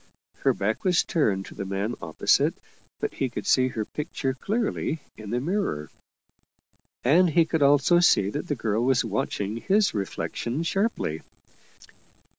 Her back was turned to the man opposite, but he could see her pic ture clearly in the mirror. And he could also see that the girl was watching his reflection sharply.